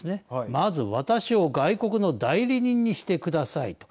まず、私を外国の代理人にしてくださいと。